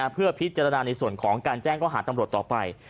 เพื่อพิจารณาในส่วนของการแจ้งข้อหาตำรวจต่อไป